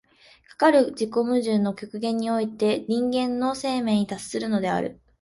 かかる自己矛盾の極限において人間の生命に達するのである。